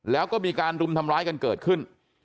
แล้วก็มีการรุมทำร้ายกันเกิดขึ้น